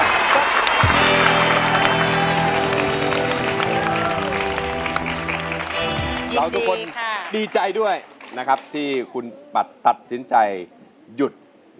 ทุกคนดีใจด้วยนะครับที่คุณปัดตัดสินใจหยุด